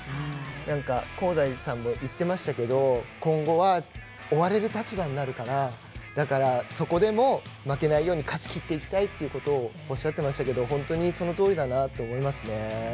香西さんも言ってましたけど今後は、追われる立場になるからそこでも、負けないように勝ちきっていきたいということをおっしゃっていましたけど本当にそのとおりだなと思います。